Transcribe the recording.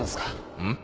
うん？